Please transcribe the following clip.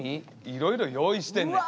いろいろ用意してんねん。